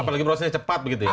apalagi prosesnya cepat begitu ya